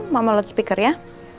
mama liat speaker ya